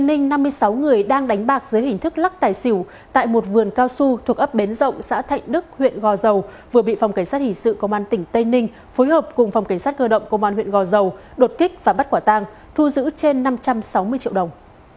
nhóm đối tượng này đã đánh bạc dưới hình thức lắc tài xỉu tại một vườn cao su thuộc ấp bến rộng xã thạnh đức huyện gò dầu vừa bị phòng cảnh sát hỷ sự công an tỉnh tây ninh phối hợp cùng phòng cảnh sát cơ động công an huyện gò dầu đột kích và bắt quả tang thu giữ trên năm trăm sáu mươi triệu đồng